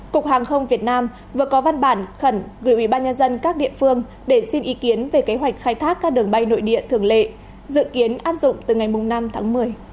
cục hàng không việt nam vừa có văn bản khẩn gửi ubnd các địa phương để xin ý kiến về kế hoạch khai thác các đường bay nội địa thường lệ dự kiến áp dụng từ ngày năm tháng một mươi